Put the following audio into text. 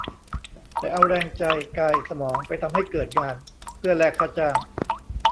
แต่เอาแรง ใจ กาย สมอง ไปทำให้เกิดงาน เพื่อแลกค่าจ้าง